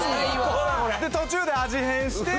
途中で味変して。